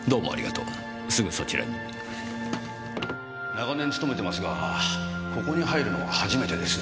長年勤めてますがここに入るのは初めてです。